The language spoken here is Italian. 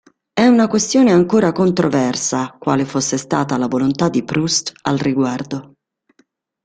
È una questione ancora controversa quale fosse stata la volontà di Proust al riguardo.